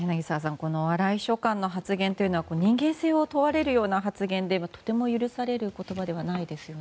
この荒井秘書官の発言は人間性を問われるような発言でとても許される言葉ではないですよね。